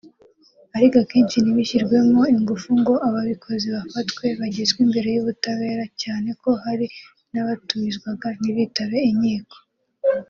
ariko akenshi ntibishyirwemo ingufu ngo ababikoze bafatwe bagezwe imbere y’ubutabera cyane ko hari n’abatumizwaga ntibitabe inkiko